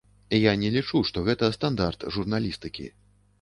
Я не лічу, што гэта стандарт журналістыкі.